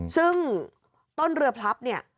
ซึ่งต้นเรือพลับเนี่ย